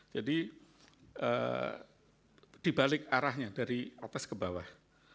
jadi dibalik arahnya dari atas ke bawah